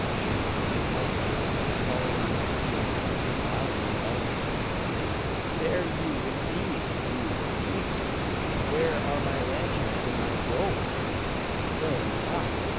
shrieked Pinkel, falling on his knees, and looking wildly about him. 'Spare you, indeed, you thief! Where are my lantern and my goat? No! not!